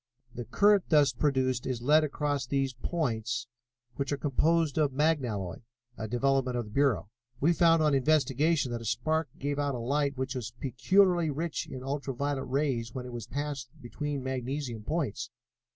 The current thus produced is led across these points, which are composed of magnalloy, a development of the Bureau. We found on investigation that a spark gave out a light which was peculiarly rich in ultra violet rays when it was passed between magnesium points.